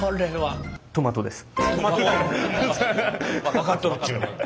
分かっとるっちゅうねん。